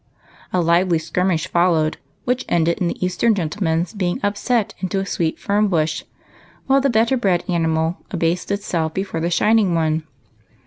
A lively skirmish followed, which ended in the Eastern gentleman's being upset into a sweet fern bush, while the better bred animal abased itself before the shining one.